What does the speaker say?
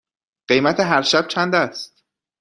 قیمت هر شب چند است؟